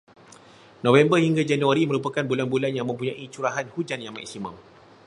November hingga Januari merupakan bulan-bulan yang mempunyai curahan hujan yang maksimum.